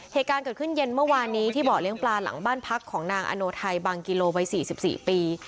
เหตุการณ์เกิดขึ้นเย็นเมื่อวานนี้ที่เบาะเลี้ยงปลาหลังบ้านพักของนางอโนไทยบังกิโลวัย๔๔ปี